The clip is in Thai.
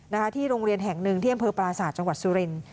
ที่โรงเรียนแห่งหนึ่งที่อำเภอปราศาสตร์จังหวัดสุรินทร์